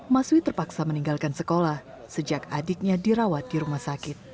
mas wi terpaksa meninggalkan sekolah sejak adiknya dirawat di rumah sakit